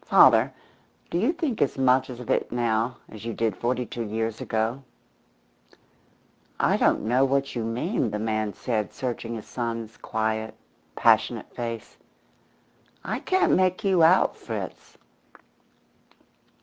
Father, do you think as much of it now as you did forty two years ago?" "I don't know what you mean," the man said, searching his son's quiet, passionate face. "I can't make you out, Fritz."